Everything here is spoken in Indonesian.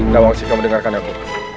nawangsi kamu dengarkan aku